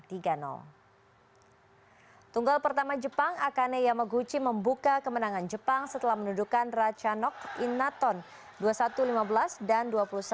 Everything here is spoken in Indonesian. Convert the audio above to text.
tunggal pertama jepang akane yamaguchi membuka kemenangan jepang setelah mendudukan rachanok inaton dua puluh satu lima belas dan dua puluh satu enam belas